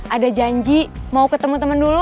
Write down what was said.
ada janji mau ketemu temen dulu